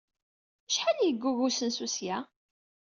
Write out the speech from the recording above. Acḥal ay yeggug usensu seg-a?